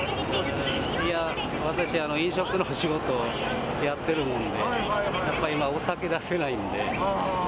私、飲食の仕事をやってるんで、やっぱり今、お酒出せないんで。